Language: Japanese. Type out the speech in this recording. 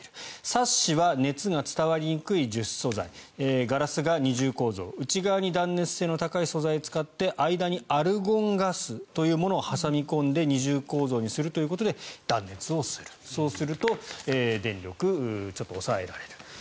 サッシは熱が伝わりにくい樹脂素材ガラスが二重構造内側に断熱性の高い素材を使って間にアルゴンガスを挟み込んで二重構造にするということで断熱をするそうすると電力がちょっと抑えられる。